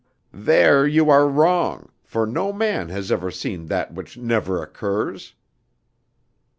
"There you are wrong, for no man has ever seen that which never occurs!"